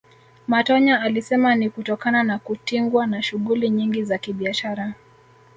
Matonya alisema ni kutokana na kutingwa na shughuli nyingi za kibiashara